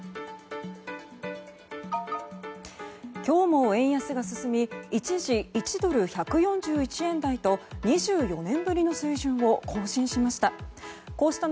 今日も円安が進み一時１ドル＝１４１円台と２４年ぶりの水準を更新しました。